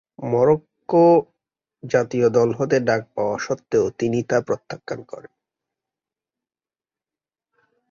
Morocco জাতীয় দল হতে ডাক পাওয়া সত্ত্বেও তিনি তা প্রত্যাখ্যান করেন।